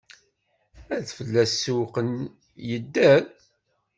Ad fell-as sewwqen, idder.